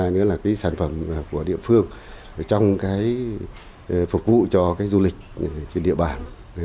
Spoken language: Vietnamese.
nước mắm là sản phẩm của địa phương trong phục vụ cho du lịch trên địa bàn